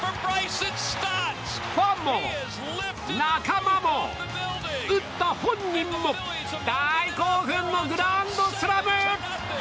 ファンも、仲間も、打った本人も大興奮のグランドスラム！